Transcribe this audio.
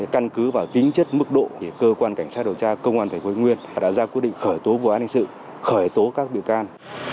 căn cứ vào tính chất mức độ thì cơ quan cảnh sát điều tra công an thành phố thái nguyên đã ra quyết định khởi tố vụ an ninh sự khởi tố các bị can